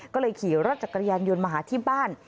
ก็เลยขี่รถจักรยานยนต์มาหาที่บ้าน